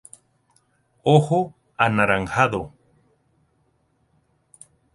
Ojo anaranjado.